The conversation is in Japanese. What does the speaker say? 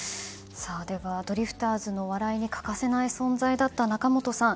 では、ドリフターズの笑いに欠かせない存在だった仲本さん。